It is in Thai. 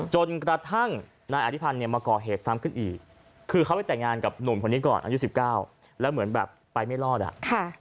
จนกระทั่งนายอธิพันธ์เนี่ยมาก่อเหตุซ้ำขึ้นอีกคือเขาไปแต่งงานกับหนุ่มคนนี้ก่อนอายุ๑๙แล้วเหมือนแบบไปไม่รอดอ่ะ